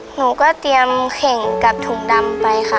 หนูก็เตรียมแข่งกับถุงดำไปค่ะ